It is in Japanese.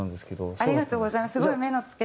ありがとうございます。